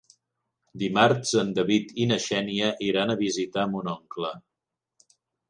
Dimarts en David i na Xènia iran a visitar mon oncle.